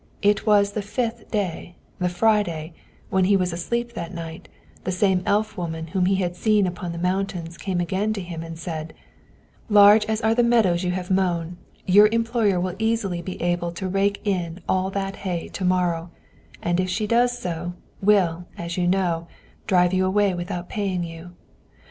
It was the fifth day the Friday and when he was asleep that night, the same elf woman whom he had seen upon the mountains came again to him and said: "Large as are the meadows you have mown, your employer will easily be able to rake in all that hay to morrow, and if she does so, will, as you know, drive you away without paying you.